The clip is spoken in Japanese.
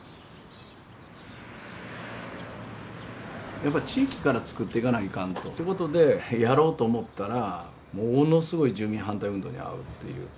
やっぱ地域からつくっていかないかんと。ってことでやろうと思ったらものすごい住民反対運動に遭うっていう。